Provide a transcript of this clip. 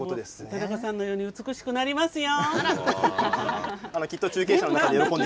田中さんのように美しくなりますよ。